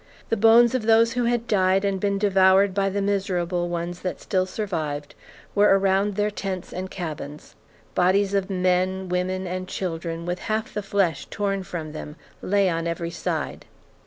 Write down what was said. The bones of those who had died and been devoured by the miserable ones that still survived were around their tents and cabins; bodies of men, women, and children with half the flesh torn from them lay on every side.